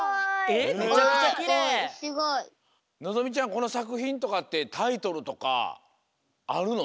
このさくひんとかってタイトルとかあるの？